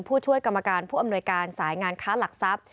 ผู้ช่วยกรรมการผู้อำนวยการสายงานค้าหลักทรัพย์